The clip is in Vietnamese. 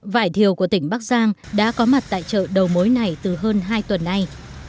vải thiều của tỉnh bắc giang đã có mặt tại chợ đầu mối này từ hơn hai tuần nay